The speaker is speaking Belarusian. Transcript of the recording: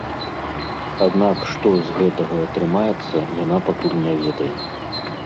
Аднак што з гэтага атрымаецца, яна пакуль не ведае.